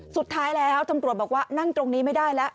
สุดท้ายแล้วตำรวจบอกว่านั่งตรงนี้ไม่ได้แล้ว